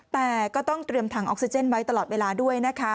แต่ก็ต้องเตรียมถังออกซิเจนไว้ตลอดเวลาด้วยนะคะ